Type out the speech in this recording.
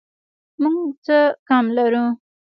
موږ څه کم لرو